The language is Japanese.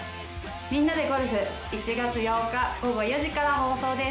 『みんなでゴルフ』１月８日午後４時から放送です。